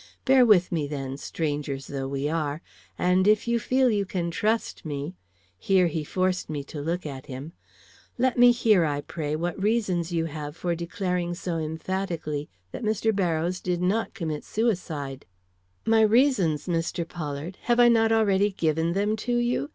Bear with me, then, strangers though we are, and if you feel you can trust me" here he forced me to look at him, "let me hear, I pray, what reasons you have for declaring so emphatically that Mr. Barrows did not commit suicide?" "My reasons, Mr. Pollard? Have I not already given them to you?